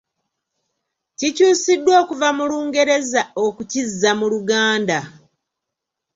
Kikyusiddwa okuva mu Lungereza okukizza mu Luganda.